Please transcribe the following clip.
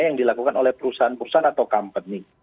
yang dilakukan oleh perusahaan perusahaan atau company